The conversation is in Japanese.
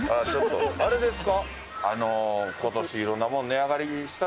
あれですか？